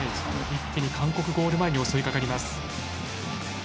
一気に韓国ゴール前に襲いかかります。